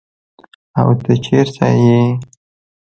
او ته چیرته ئي ؟